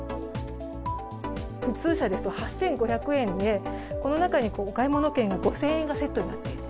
普通車ですと、８５００円でこの中にお買物券が５０００円がセットになっている。